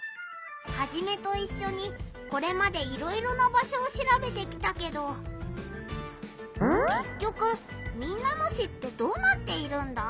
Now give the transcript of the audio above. ハジメといっしょにこれまでいろいろな場所をしらべてきたけどけっきょく民奈野市ってどうなっているんだ？